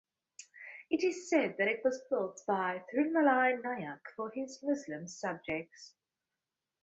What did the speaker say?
It is said that it was built by Thirumalai Nayak for his Muslim subjects.